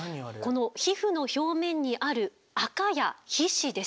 この皮膚の表面にあるアカや皮脂です。